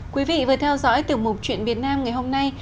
quý vị vừa theo dõi tiểu mục chuyện việt nam ngày hôm nay